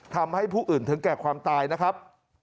ทำให้ผู้อื่นถึงแก่ความตายนะครับ